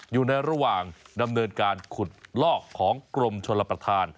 อยู่ในระหว่างดำเนินการขุดลอกของกรมชลประธาน